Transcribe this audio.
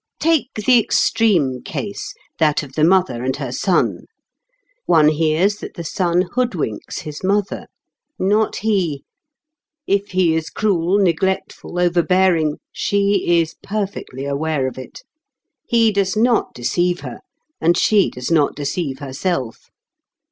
Take the extreme case, that of the mother and her son. One hears that the son hoodwinks his mother. Not he! If he is cruel, neglectful, overbearing, she is perfectly aware of it. He does not deceive her, and she does not deceive herself.